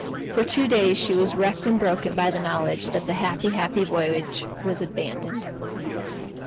For two days she was wrecked and broken by the knowledge that the happy, happy voyage was abandoned.